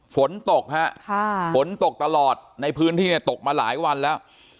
ฝนตกฮะฝนตกตลอดในพื้นที่เนี่ยตกมาหลายวันแล้ว